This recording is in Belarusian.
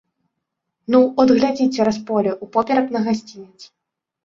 Ну, от глядзі цераз поле, упоперак на гасцінец.